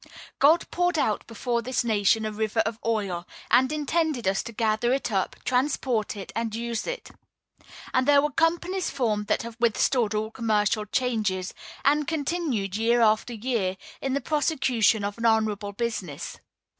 God poured out before this nation a river of oil, and intended us to gather it up, transport it, and use it; and there were companies formed that have withstood all commercial changes, and continued, year after year, in the prosecution of an honorable business.